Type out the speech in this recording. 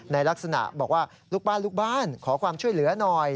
ในลักษณะบอกว่าลูกบ้านลูกบ้านขอความช่วยเหลือหน่อย